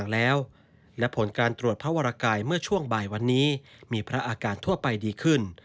แล้วและผลการตรวจพระวรกายเมื่อช่วงบ่ายวันนี้มีพระอาการทั่วไปดีขึ้น